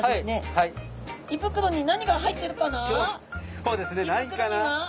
そうですね。何かな？